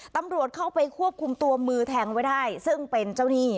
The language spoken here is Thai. ตำรวจเข้าไปควบคุมตัวมือแทงไว้ได้ซึ่งเป็นเจ้าหนี้